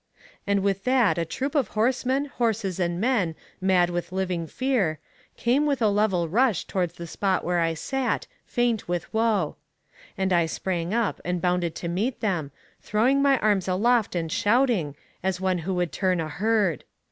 "'And with that a troop of horsemen, horses and men mad with living fear, came with a level rush towards the spot where I sat, faint with woe. And I sprang up, and bounded to meet them, throwing my arms aloft and shouting, as one who would turn a herd.